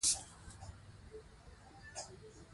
د هېواد په ورزشي میدانونو کې برخه واخلئ.